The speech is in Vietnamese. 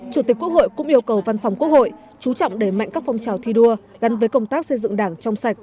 chủ tịch quốc hội cũng yêu cầu văn phòng quốc hội chú trọng đẩy mạnh các phong trào thi đua gắn với công tác xây dựng đảng trong sạch